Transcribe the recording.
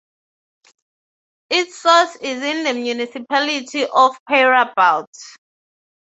Its source is in the municipality of Peyrabout.